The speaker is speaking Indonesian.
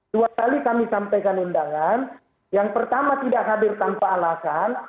dua kali kami sampaikan undangan yang pertama tidak hadir tanpa alasan